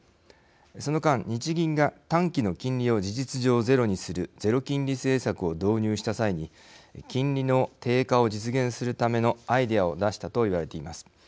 その間、日銀が短期の金利を事実上ゼロにするゼロ金利政策を導入した際に金利の低下を実現するためのアイデアを出したと言われています。